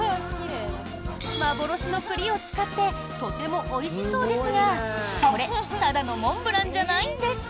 幻の栗を使ってとてもおいしそうですがこれ、ただのモンブランじゃないんです。